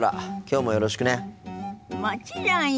もちろんよ。